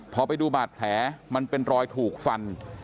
พอไปดูบาดแผลมันเป็นรอยถูกฟัน